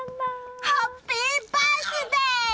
ハッピーバースデー！